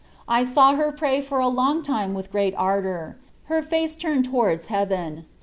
I saw her pray for a long time with great ardour, her face turned towards heaven.